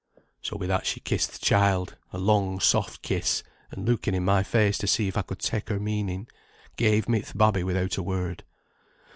"So wi' that she kissed th' child, a long, soft kiss; and looking in my face to see if I could take her meaning, gave me th' babby without a word.